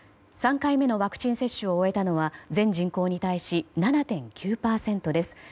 ３回目のワクチン接種を終えたのは全人口に対し７．９％です。